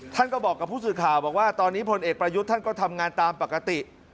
ท่านก็บอกกับผู้สื่อข่าวบอกว่าตอนนี้พลเอกประยุทธ์ท่านก็ทำงานตามปกติ